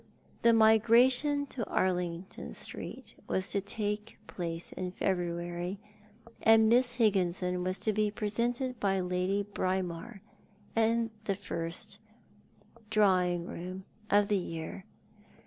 The migration to Arlington Street was to take place in February, and ]Miss Higginson was to be pre sented by Lady Braemar at the first drawing room of the year.